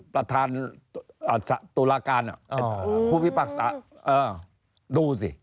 ประธานตุลาการผู้พิพักษะดูสิ